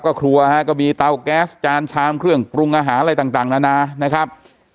ก็ครัวฮะก็มีเตาแก๊สจานชามเครื่องปรุงอาหารอะไรต่างนานานะครับ